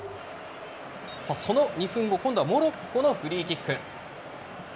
その２分後今度はモロッコのフリーキック。